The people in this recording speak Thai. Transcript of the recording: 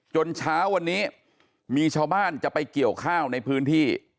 เช้าวันนี้มีชาวบ้านจะไปเกี่ยวข้าวในพื้นที่